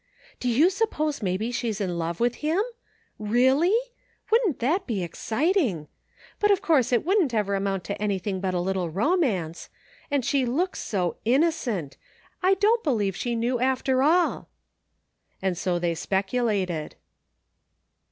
Do you suppose maybe she's in love with him ? Really? Wouldn't that be exciting ? But of course it couldn't ever amount to anything but a little romance ! And she looks so innocent ! I don't believe she knew, after alL" And so they speculated.